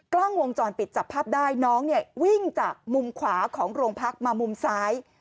กล้องวงจรปิดจับภาพได้น้องเนี่ยวิ่งจากมุมขวาของโรงพักมามุมซ้าย